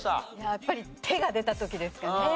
やっぱり「手」が出た時ですかね。